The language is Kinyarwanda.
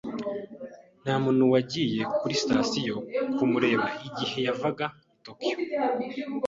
Nta muntu wagiye kuri sitasiyo kumureba igihe yavaga i Tokiyo.